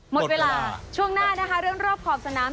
หมดเวลาช่วงหน้านะคะเรื่องรอบขอบสนาม